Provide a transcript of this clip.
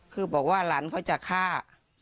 คือบอกว่าหลานเขาจะฆ่า